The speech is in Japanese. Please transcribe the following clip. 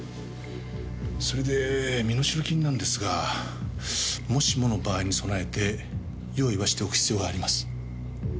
それで身代金なんですがもしもの場合に備えて用意はしておく必要があります。